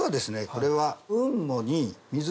これは。